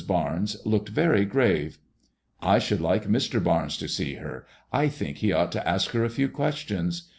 Barnes looked very grave. '* I should like Mr. Barnes to see her. I think he ought to ask her a few questions.